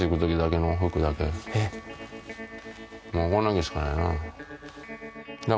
もうこんだけしかないな。